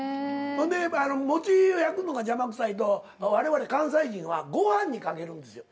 ほんで餅を焼くのが邪魔くさいと我々関西人はご飯にかけるんですよ。